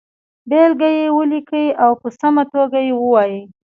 بېلګه یې ولیکئ او په سمه توګه یې ووایئ.